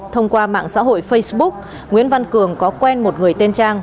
thông qua mạng xã hội facebook nguyễn văn cường có quen một người tên trang